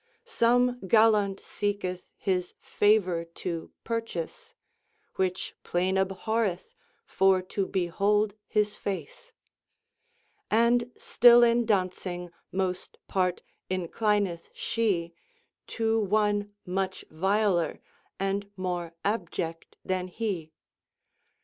Some galand seketh his favour to purchase Which playne abhorreth for to beholde his face. And still in dauncing moste parte inclineth she To one muche viler and more abject then he.